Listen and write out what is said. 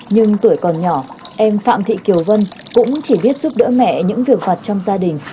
nhưng tuổi còn nhỏ em phạm thị kiều vân cũng chỉ biết giúp đỡ mẹ những việc hoạt trong gia đình